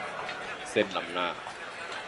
เส้นล้ำหน้า